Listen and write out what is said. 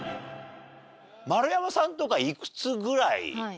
丸山さんとかいくつぐらい？